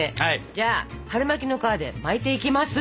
じゃあ春巻きの皮で巻いていきます。